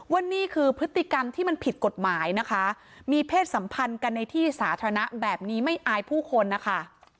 ว่านี่คือพฤติกรรมที่มันผิดกฎหมายนะคะมีเพศสัมพันธ์กันในที่สาธารณะแบบนี้ไม่อายผู้คนนะคะ